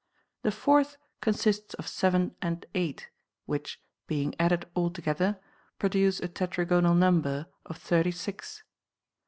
The fourth consists of seven and eight, which, being added all together, produce a tetragonal number of thirty six.